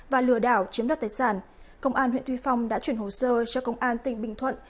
và lừa đảo chiếm đoạt tài sản công an huyện tuy phong đã chuyển hồ sơ cho công an tỉnh bình thuận